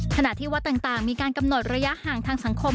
ขณะที่วัดต่างมีการกำหนดระยะห่างทางสังคม